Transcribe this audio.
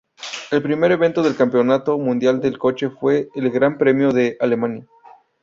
El primer evento del Campeonato Mundial del coche fue el Gran Premio de Alemania.